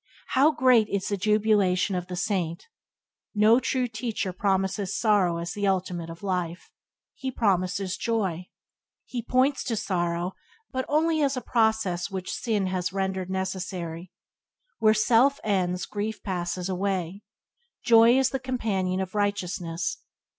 How great is the jubilation of the saint! No true teacher promises sorrow as the ultimate of life; Byways to Blessedness by James Allen 49 he promises joy. He points to sorrow, but only as a process which sin has rendered necessary. Where self ends grief passes away. Joy is the companion of righteousness.